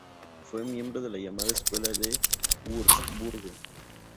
Fue miembro de la llamada escuela de Wurzburgo.